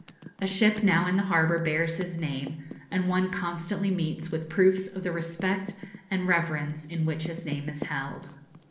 A ship now in the harbour bears his name, and one constantly meets with proofs of the respect and reverence in which his name is held.